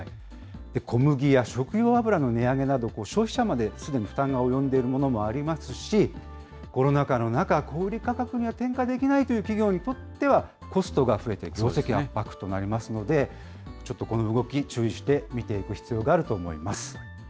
小麦や食用油の値上げなど、消費者まですでに負担が及んでいるものもありますし、コロナ禍の中、小売り価格には転嫁できないという企業にとっては、コストが増えて業績圧迫となりますので、ちょっとこの動き、注意して見ていく必要があると思います。